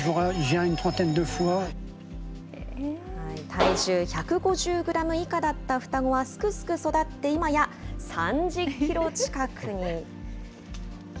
体重１５０グラム以下だった双子はすくすく育って、今や３０キロ近くに。